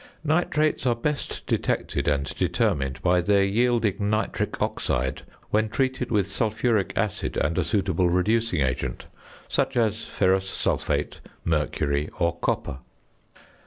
Nitrates are best detected and determined by their yielding nitric oxide when treated with sulphuric acid and a suitable reducing agent, such as ferrous sulphate, mercury, or copper.